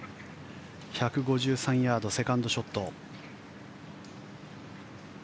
１５３ヤードセカンドショット。